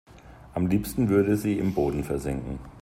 Am liebsten würde sie im Boden versinken.